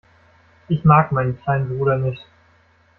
Ich mag meinen kleinen Bruder nicht.